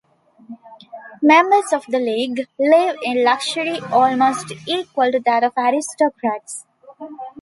Members of The League live in luxury almost equal to that of aristocrats.